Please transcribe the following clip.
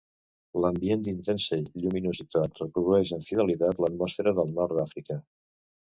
L'ambient d'intensa lluminositat reprodueix amb fidelitat l'atmosfera del nord d'Àfrica.